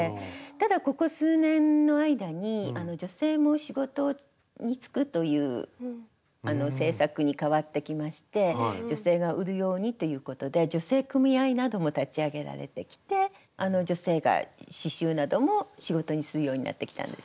ただここ数年の間に女性も仕事に就くという政策に変わってきまして女性が売るようにということで女性組合なども立ち上げられてきて女性が刺しゅうなども仕事にするようになってきたんです。